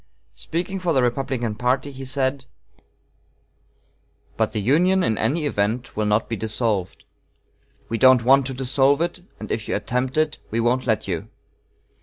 Speaking for the Republican party, he said: "But the Union in any event will not be dissolved. We don't want to dissolve it, and if you attempt it, we won't let you.